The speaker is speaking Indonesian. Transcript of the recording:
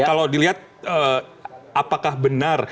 kalau dilihat apakah benar